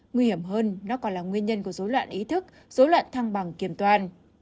nguy hiểm hơn nó còn là nguyên nhân của dối loạn ý thức dối loạn thăng bằng kiềm toàn